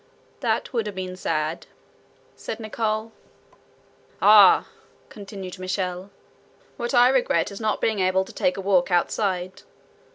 "That would have been sad," said Nicholl. "Ah!" continued Michel, "what I regret is not being able to take a walk outside.